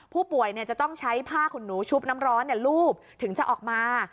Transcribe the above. ผู้ป่วยจะต้องใช้ผ้าขนหนูชุบน้ำร้อนลูบถึงจะออกมา